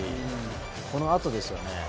このあとですよね。